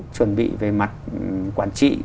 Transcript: chuẩn bị về mặt quản trị